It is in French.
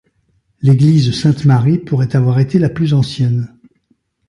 L'église Sainte-Marie pourrait avoir été la plus ancienne.